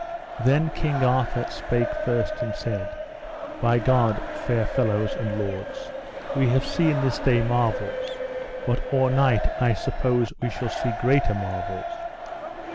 Then King Arthur spake first and said: By God, fair fellows and lords, we have seen this day marvels, but or night I suppose we shall see greater marvels.